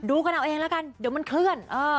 กันเอาเองแล้วกันเดี๋ยวมันเคลื่อน